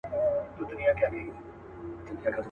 ور پسې وه د خزان وحشي بادونه.